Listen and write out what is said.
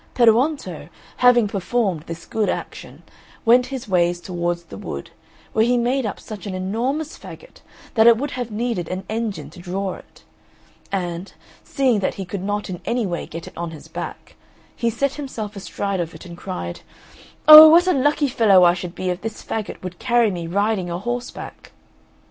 Peruonto, having performed this good action, went his ways towards the wood, where he made up such an enormous faggot that it would have needed an engine to draw it; and, seeing that he could not in any way get in on his back, he set himself astride of it and cried, "Oh, what a lucky fellow I should be if this faggot would carry me riding a horseback!"